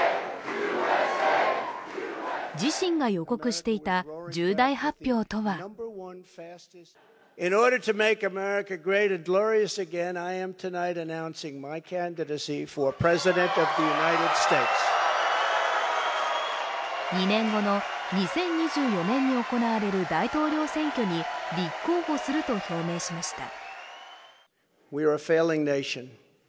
自身が予告していた重大発表とは２年後の２０２４年に行われる大統領選挙に立候補すると表明しました。